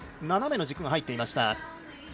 斜めの軸が入っていました。